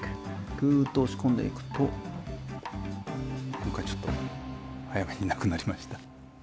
ぐと押し込んでいくと今回ちょっと早めになくなりました。